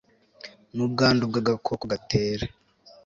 n ubwandu bw agakoko gatera